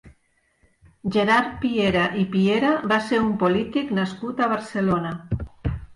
Gerard Piera i Piera va ser un polític nascut a Barcelona.